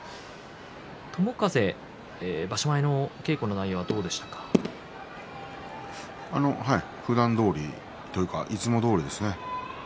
友風、場所前の稽古の内容はふだんどおりというかいつもどおりですね。